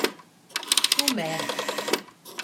Tumar.